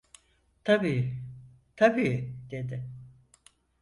"Tabii, tabii" dedi.